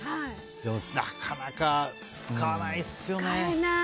でも、なかなか使わないですよね。